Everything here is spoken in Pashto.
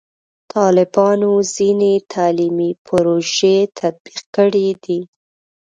طالبانو ځینې تعلیمي پروژې تطبیق کړي دي.